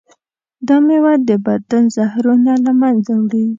دا میوه د بدن زهرونه له منځه وړي.